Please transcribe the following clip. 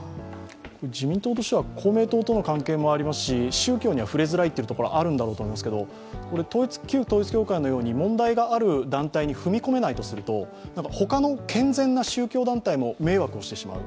自民党としては公明党との関係もありますし、宗教には触れづらいところはあるんだろうと思いますが旧統一教会のように問題がある団体に踏み込めないとなると他の健全な宗教団体も迷惑をしてしまう。